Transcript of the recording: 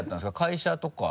会社とか？